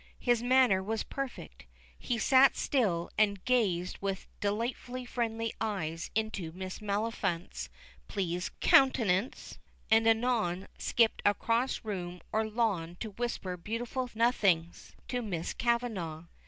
His manner was perfect. He sat still And gazed with delightfully friendly eyes into Miss Maliphant's pleased countenance, and anon skipped across room or lawn to whisper beautiful nothings to Miss Kavanagh.